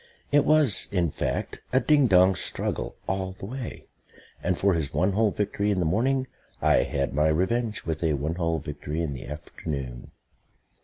It was, in fact, a ding dong struggle all the way; and for his one hole victory in the morning I had my revenge with a one hole victory in the afternoon.